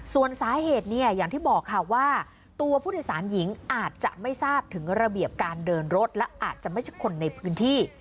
ส่วนสาเหตุเนี่ยอย่างที่บอกค่ะว่าตัวผู้โดยสารหญิงอาจจะไม่ทราบถึงระเบียบการเดินรถและอาจจะไม่ใช่คนในพื้นที่